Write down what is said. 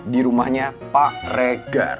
di rumahnya pak regar